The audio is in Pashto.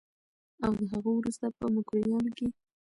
او د هغه وروسته په مکروریانو کې